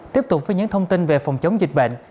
tiếp tục với những thông tin về phòng chống dịch bệnh